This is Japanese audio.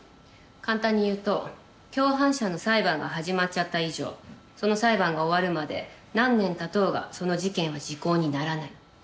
簡単に言うと共犯者の裁判が始まっちゃった以上その裁判が終わるまで何年経とうがその事件は時効にならない。